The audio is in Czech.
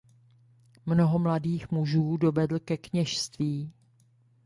Mnoho mladých mužů dovedl ke kněžství.